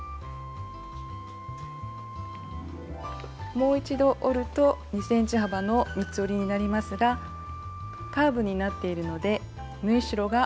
もう一度折ると２ｃｍ幅の三つ折りになりますがカーブになっているので縫い代が余ってきます。